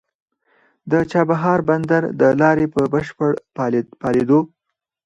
د چابهار بندر د لارې په بشپړ فعالېدو